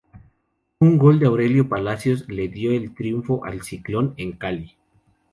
Un gol de Aurelio Palacios le dio el triunfo al 'Ciclón' en Cali.